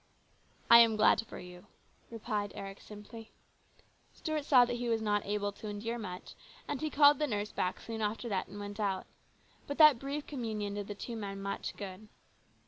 " I am glad for you," replied Eric simply. Stuart saw that he was not able to endure much, and he called the nurse back soon after that and went out. But that brief communion did the two men much good.